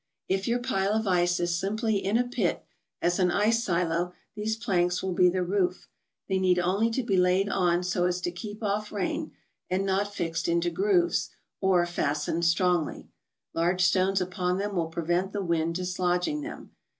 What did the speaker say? If your pile of ice is simply in a pit, as an ice silo, these planks will be the roof. They need only be laid on so as to keep off rain, and not fixed into grooves, or fastened strongly. Large stones upon them will prevent the wind dislodging them.